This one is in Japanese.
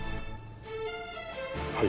はい。